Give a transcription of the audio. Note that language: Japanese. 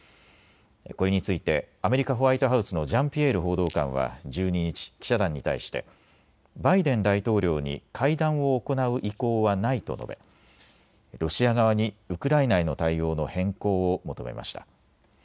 これについてアメリカ・ホワイトハウスのジャンピエール報道官は１２日、記者団に対してバイデン大統領に会談を行う意向はないと述べ、ロシア側にウクライナへの対応の変更を求めました。